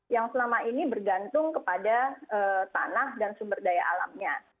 yang selama ini bergantung kepada tanah dan sumber daya alamnya